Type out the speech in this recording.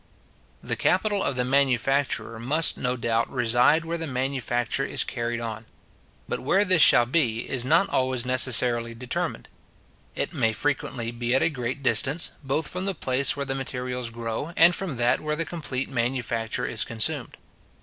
The capital of the manufacturer must, no doubt, reside where the manufacture is carried on; but where this shall be, is not always necessarily determined. It may frequently be at a great distance, both from the place where the materials grow, and from that where the complete manufacture is consumed.